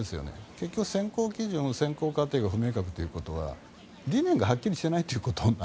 結局、選考基準や選考過程が不透明ということは理念がはっきりしていないと。